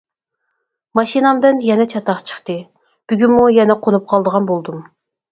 -ماشىنامدىن يەنە چاتاق چىقتى، بۈگۈنمۇ يەنە قونۇپ قالىدىغان بولدۇم.